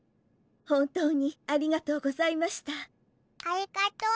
本当にありがとうございましたありがとー